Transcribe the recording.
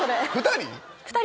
２人？